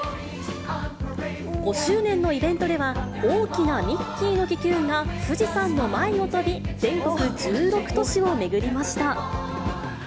５周年のイベントでは、大きなミッキーの気球が富士山の前を飛び、全国１６都市を巡りました。